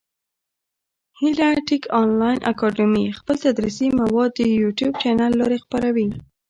هیله ټېک انلاین اکاډمي خپل تدریسي مواد د يوټیوب چېنل له لاري خپره وي.